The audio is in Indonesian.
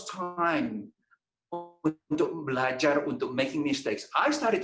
karena itu membuat waktu untuk belajar untuk membuat kesalahan